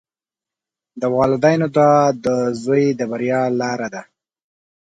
د والدینو دعا د زوی د بریا لاره ده.